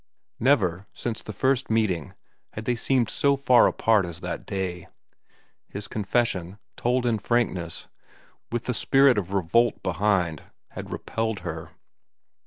Never, since the first meeting, had they seemed so far apart as that day. His confession, told in frankness, with the spirit of revolt behind, had repelled her.